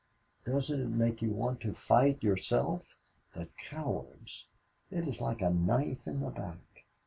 Doesn't it make you want to fight yourself? The cowards! It is like a knife in the back.